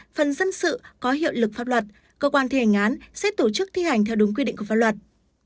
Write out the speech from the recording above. phần dân sự có hiệu lực pháp luật cơ quan thi hành án sẽ tổ chức thi hành theo đúng quy định của pháp luật